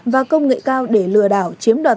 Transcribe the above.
và công nghệ cao để lừa đảo chiếm đoạt